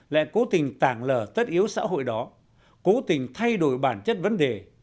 lại cố tình tảng lờ tất yếu xã hội đó cố tình thay đổi bản chất vấn đề